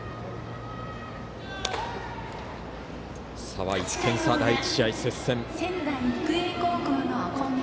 差は１点差、第１試合、接戦。